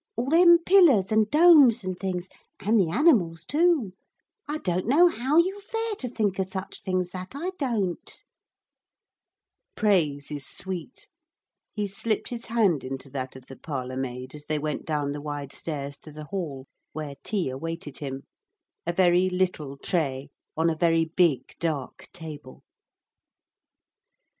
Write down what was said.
All them pillars and domes and things and the animals too. I don't know how you fare to think of such things, that I don't.' [Illustration: 'Lor', ain't it pretty!' said the parlour maid.] Praise is sweet. He slipped his hand into that of the parlour maid as they went down the wide stairs to the hall, where tea awaited him a very little tray on a very big, dark table.